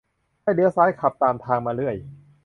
ให้เลี้ยวซ้ายขับตามทางมาเรื่อย